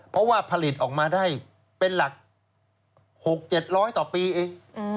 เพราะว่าผลิตออกมาได้เป็นหลัก๖๗๐๐ต่อปีเอง